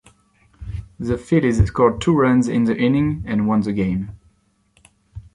The Phillies scored two runs in the inning and won the game.